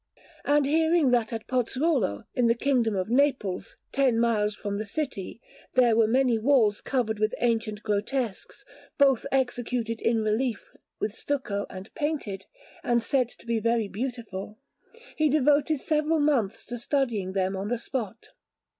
And hearing that at Pozzuolo, in the Kingdom of Naples, ten miles from the city, there were many walls covered with ancient grotesques, both executed in relief with stucco and painted, and said to be very beautiful, he devoted several months to studying them on the spot.